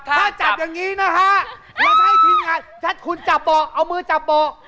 ถ้าจับอย่างนี้นะคะเราจะให้ทีมงานถ้าคุณจับบอกเอามือจับบอก